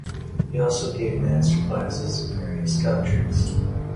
He also gave master classes in various countries.